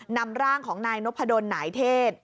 นำร่างของนายนพดลหน่ายเทศ